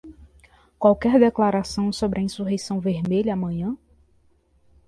Qualquer declaração sobre a insurreição vermelha amanhã?